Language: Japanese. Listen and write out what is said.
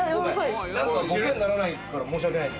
ボケにならないから申し訳ない。